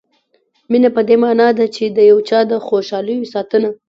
مینه په دې معنا ده چې د یو چا د خوشالیو ساتنه.